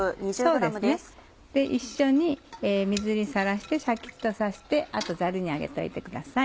一緒に水にさらしてシャキっとさせてあとザルに上げておいてください。